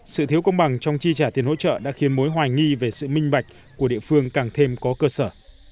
sự thiếu công bằng trong chi trả tiền hỗ trợ đã khiến mối hoài nghi về sự minh bạch của địa phương càng thêm có cơ sở